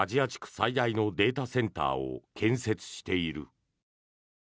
最大のデータセンターを建設している。